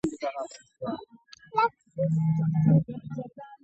یو کارغه له خدای څخه وغوښتل چې سپین شي.